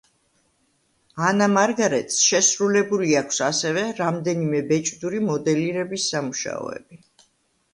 ანა მარგარეტს შესრულებული აქვს ასევე რამდენიმე ბეჭდური მოდელირების სამუშაოები.